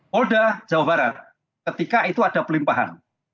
polda jawa barat ketika itu ada pelimpahan